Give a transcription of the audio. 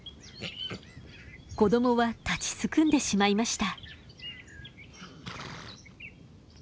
子供は立ちすくんでしまいました。